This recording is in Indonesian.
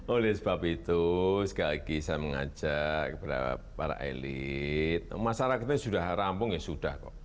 oleh sebab itu sekali lagi saya mengajak kepada para elit masyarakatnya sudah rampung ya sudah kok